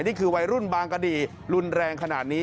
นี่คือวัยรุ่นบางกะดีรุนแรงขนาดนี้